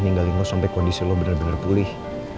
nyinggalin lo sampe kondisi lo bener bener pulih